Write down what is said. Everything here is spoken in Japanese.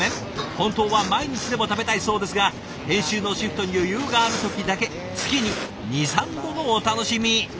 本当は毎日でも食べたいそうですが編集のシフトに余裕がある時だけ月に２３度のお楽しみ。